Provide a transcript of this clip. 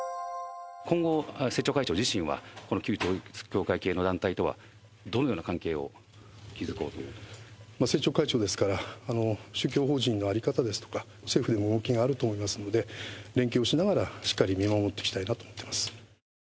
今後、政調会長自身は、旧統一教会系の団体とはどのような関係を築こうと？政調会長ですから、宗教法人の在り方ですとか、政府でも動きがあると思いますので、連携をしながら、しっかり見守っていきたいなと思ってます。